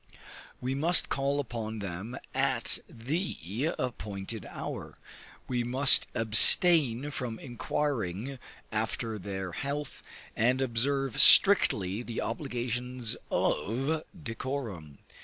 We must call upon them at the appointed hour; we must abstain from inquiring after their health, and observe strictly the obligations of decorum.